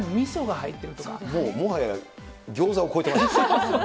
もうもはやギョーザを超えてます。